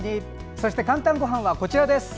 そして「かんたんごはん」はこちらです。